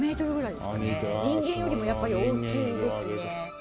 人間よりもやっぱり大きいですね。